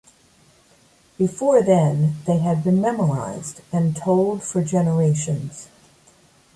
Before then they had been memorized and told for generations.